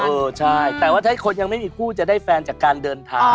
เออใช่แต่ว่าถ้าคนยังไม่มีคู่จะได้แฟนจากการเดินทาง